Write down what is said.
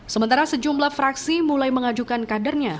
sementara sejumlah fraksi mulai mengajukan kadernya